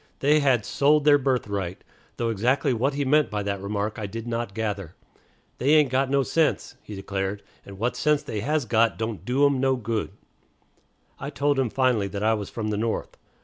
They had "sold their birthright," though exactly what he meant by that remark I did not gather. "They ain't got no sense," he declared, "and what sense they has got don't do 'em no good." I told him finally that I was from the North.